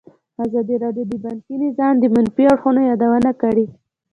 ازادي راډیو د بانکي نظام د منفي اړخونو یادونه کړې.